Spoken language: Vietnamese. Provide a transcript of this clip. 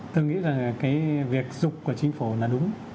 tôi nghĩ rằng cái việc dục của chính phủ là đúng